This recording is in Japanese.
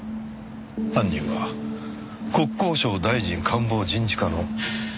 犯人は国交省大臣官房人事課の杉原課長か。